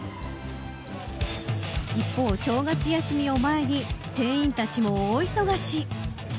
一方、正月休みを前に店員たちも大忙し。